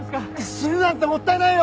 死ぬなんてもったいないよ。